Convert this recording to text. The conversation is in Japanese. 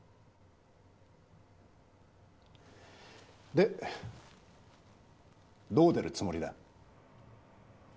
でどう出るつもりだ？